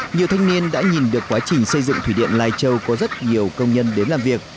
nhiều thanh niên đã nhìn được quá trình xây dựng thủy điện lai châu có rất nhiều công nhân đến làm việc